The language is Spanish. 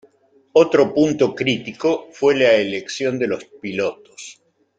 Otro punto crítico fue la elección de los pilotos.